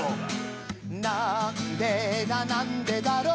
「なんでだなんでだろう」